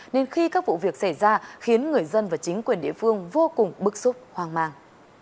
nên khi các vụ việc xảy ra khiến người dân và chính quyền địa phương vô cùng bức xúc hoang mang